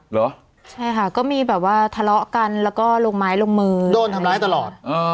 เหรอใช่ค่ะก็มีแบบว่าทะเลาะกันแล้วก็ลงไม้ลงมือโดนทำร้ายตลอด